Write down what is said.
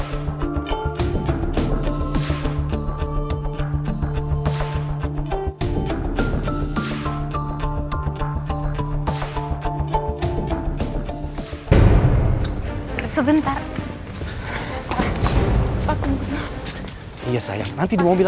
yuk sayang yuk